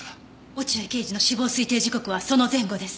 落合刑事の死亡推定時刻はその前後です。